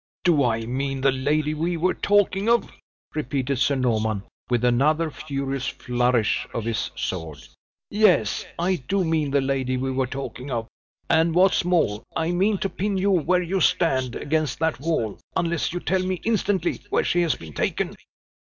"Do I mean the lady we were talking of?" repeated Sir Norman, with another furious flourish of his sword. "Yes, I do mean the lady we were talking of; and what's more I mean to pin you where you stand, against that wall, unless you tell me, instantly, where she has been taken."